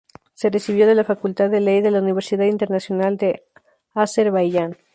Se recibió de la Facultad de Ley de la Universidad Internacional de Azerbaiyán.